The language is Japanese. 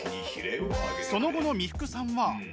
その後の三福さんは。